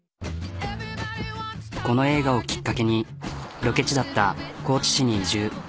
この映画をきっかけにロケ地だった高知市に移住。